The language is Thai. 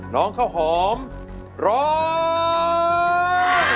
ร้องได้ให้ร้าง